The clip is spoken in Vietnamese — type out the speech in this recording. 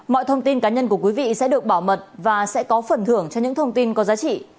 mọi thông tin cá nhân của quý vị sẽ được bảo mật và sẽ có phần thưởng cho những thông tin có giá trị